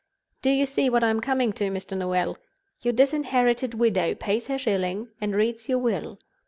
Do you see what I am coming to, Mr. Noel? Your disinherited widow pays her shilling, and reads your will.